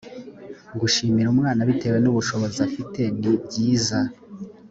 gushimira umwana bitewe nubushobozi afite ni byiza.